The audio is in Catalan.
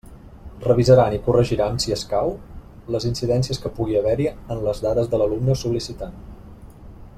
Revisaran i corregiran, si escau, les incidències que pugui haver-hi en les dades de l'alumne sol·licitant.